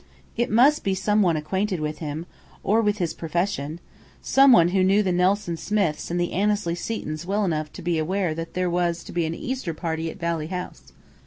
It must be someone acquainted with him, or with his profession; someone who knew the Nelson Smiths and the Annesley Setons well enough to be aware that there was to be an Easter party at Valley House.